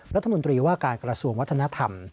รัฐมนตรีว่าการกระทรวงวัฒนธรรม